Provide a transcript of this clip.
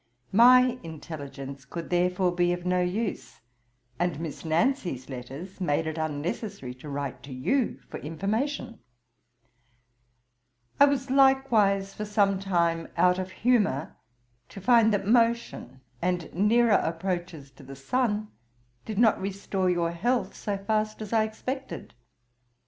My intelligence could therefore be of no use; and Miss Nancy's letters made it unnecessary to write to you for information: I was likewise for some time out of humour, to find that motion, and nearer approaches to the sun, did not restore your health so fast as I expected.